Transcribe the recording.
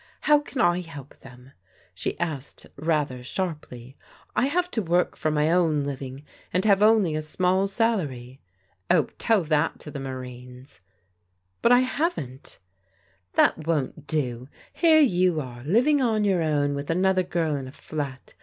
'* How can I help them?" she asked rather sharply. "I have to work for my own living, and have only a small salary." " Oh, tell that to the Marines." " But I haven't." " That won't do. Here you are, living on your own with another girl in a flat.